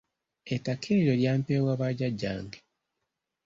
Ettaka eryo lyampeebwa bajjajjange.